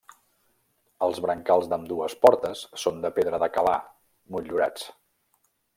Els brancals d'ambdues portes són de pedra de calar, motllurats.